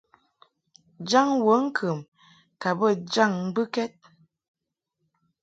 Jaŋ wəŋkəm ka bə jaŋ mbɨkɛd.